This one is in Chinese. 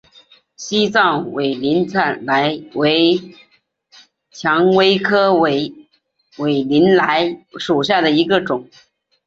西藏委陵菜为蔷薇科委陵菜属下的一个种。